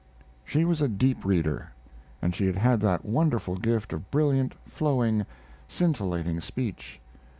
She was a deep reader, and she had that wonderful gift of brilliant, flowing, scintillating speech.